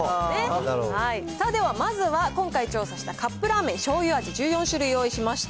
ではまずは、今回調査したカップラーメンしょうゆラーメン１４種類ご用意しました。